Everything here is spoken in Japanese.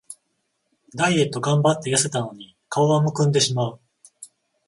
ダイエットがんばってやせたのに顔はむくんでしまう